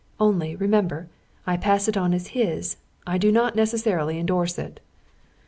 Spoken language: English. Only, remember, I pass it on as his. I do not necessarily endorse it.